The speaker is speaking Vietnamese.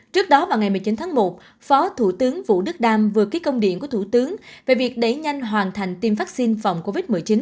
trước đó vào ngày một mươi chín tháng một phó thủ tướng vũ đức đam vừa ký công điện của thủ tướng về việc đẩy nhanh hoàn thành tiêm vaccine phòng covid một mươi chín